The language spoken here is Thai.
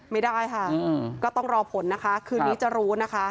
ไม่ได้ค่ะก็ต้องรอผลนะคะคืนนี้จะรู้นะคะ